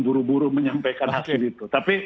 buru buru menyampaikan hasil itu tapi